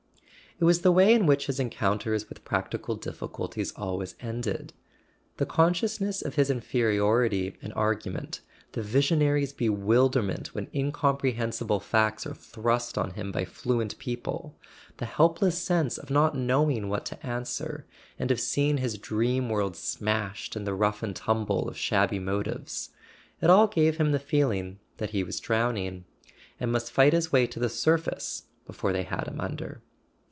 It was the way in which his encounters with prac¬ tical difficulties always ended. The consciousness of his inferiority in argument, the visionary's bewilder¬ ment when incomprehensible facts are thrust on him by fluent people, the helpless sense of not knowing what to answer, and of seeing his dream world smashed in the rough and tumble of shabby motives—it all gave him the feeling that he was drowning, and must fight his way to the surface before they had him under.